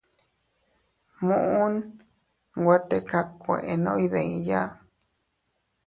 Muʼun nwe tika kuenno iydiya.